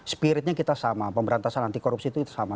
spiritnya kita sama pemberantasan anti korupsi itu sama